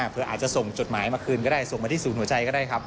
เพื่ออาจจะส่งจดหมายมาคืนก็ได้ส่งมาที่ศูนย์หัวใจก็ได้ครับ